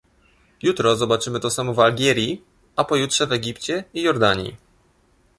Jutro zobaczymy to samo w Algierii, a pojutrze w Egipcie i Jordanii